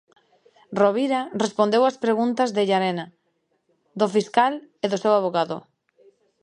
Rovira respondeu as preguntas de Llarena, do fiscal e do seu avogado.